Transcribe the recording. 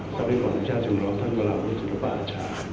ทรัพย์ปราชาชุมรสท่านพระราชุมรับป่าชา